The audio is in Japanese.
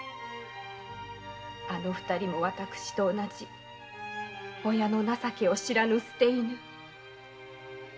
あの二人も私と同じ親の情けを知らぬ捨て犬。